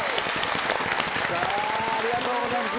さあありがとうございます。